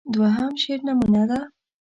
دوهم شعر نمونه ده.